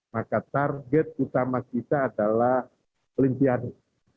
maka target utama kita adalah olimpiade